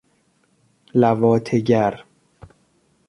لواطه گر